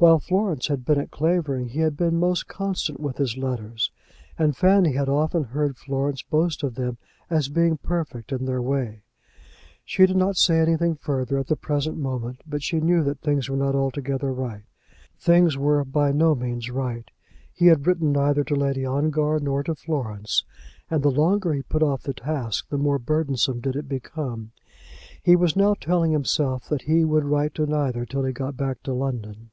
While Florence had been at Clavering he had been most constant with his letters, and Fanny had often heard Florence boast of them as being perfect in their way. She did not say anything further at the present moment, but she knew that things were not altogether right. Things were by no means right. He had written neither to Lady Ongar nor to Florence, and the longer he put off the task the more burdensome did it become. He was now telling himself that he would write to neither till he got back to London.